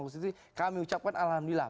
di situ kami ucapkan alhamdulillah